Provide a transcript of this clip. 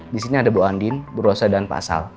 disini ada bu andin bu rosa dan pak sal